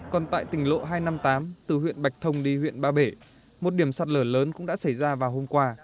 còn tại tỉnh lộ hai trăm năm mươi tám từ huyện bạch thông đi huyện ba bể một điểm sạt lở lớn cũng đã xảy ra vào hôm qua